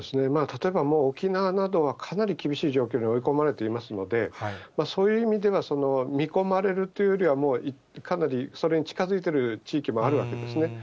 例えば、もう沖縄などはかなり厳しい状況に追い込まれていますので、そういう意味では、見込まれるというよりは、かなりそれに近づいてる地域もあるわけですね。